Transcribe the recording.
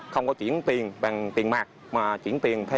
không có chuyển tiền bằng tiền mạc mà chuyển tiền theo